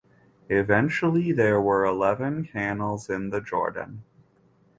Eventually there were eleven canals in the Jordaan.